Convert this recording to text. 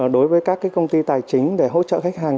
đối với các công ty tài chính để hỗ trợ khách hàng